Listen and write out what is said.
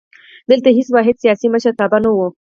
دلته هېڅ واحد سیاسي مشرتابه نه وو.